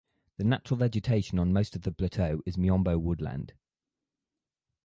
The natural vegetation on most of the plateau is miombo woodland.